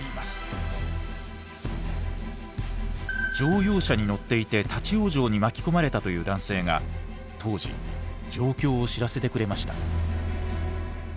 乗用車に乗っていて立往生に巻き込まれたという男性が当時状況を知らせてくれました。